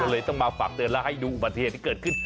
เลยต้องมาฝากเตือนแล้วให้ดูอุบัติเหตุที่เกิดขึ้น